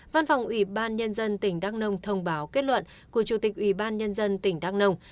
văn phòng ủy ban nhân dân tỉnh đắk nông thông báo kết luận của chủ tịch ủy ban nhân dân tỉnh đắk nông